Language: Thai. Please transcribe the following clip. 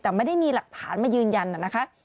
แต่ไม่ได้มีหลักฐานมายืนยันนะคะ